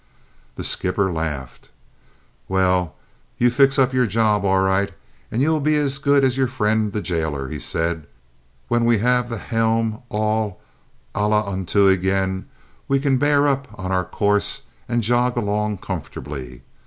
The skipper laughed. "Well, you fix up your job all right, and you'll be as good as your friend the gaoler," he said. "When we have the helm all alaunto again, we can bear up on our course and jog along comfortably.